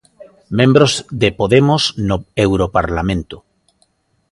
Membros de Podemos no Europarlamento.